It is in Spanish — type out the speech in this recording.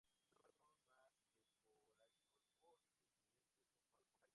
Por eso los malos usos son más esporádicos o simplemente son pagos monetarios.